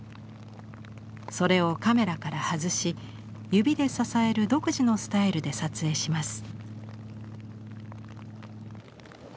それをカメラから外し指で支える独自のスタイルで撮影します。